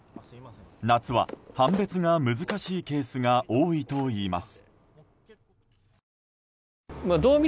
夏は、判別が難しいケースが多いといいます。